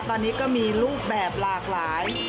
ตอนนี้ก็มีรูปแบบหลากหลาย